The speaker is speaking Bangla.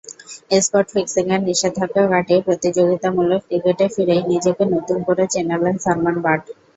স্পট ফিক্সিংয়ের নিষেধাজ্ঞা কাটিয়ে প্রতিযোগিতামূলক ক্রিকেটে ফিরেই নিজেকে নতুন করে চেনালেন সালমান বাট।